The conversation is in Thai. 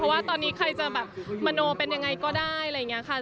ว่าตอนนี้ใครจะแบบมโนเป็นยังไงก็ได้อะไรอย่างนี้ค่ะ